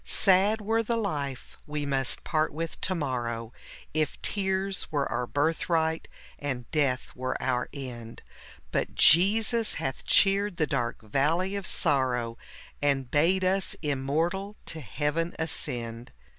Sad were the life we must part with to morrow, If tears were our birthright, and death were our end ; But Jesus hath cheered the dark valley of sorrow, And bade us immortal to Heaven ascend.